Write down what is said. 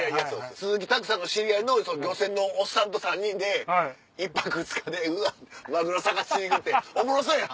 鈴木拓さんの知り合いの漁船のおっさんと３人で１泊２日でマグロ探しに行くっておもろそうやん。